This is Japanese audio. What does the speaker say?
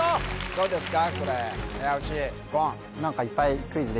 どうですか？